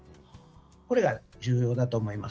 これが重要だと思います。